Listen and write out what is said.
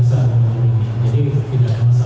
tidak ada penonton kita sudah terbiasa